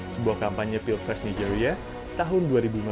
sebuah kampanye pilpres nigeria tahun dua ribu lima belas